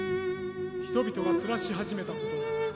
人々が暮らし始めたことも。